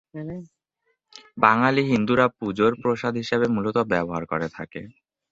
বাঙালি হিন্দুরা পুজোর প্রসাদ হিসাবে মূলত ব্যবহার করে থাকে।